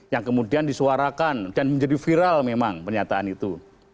yang kemudian disuarakan dan menjadi viral memang pernyataan itu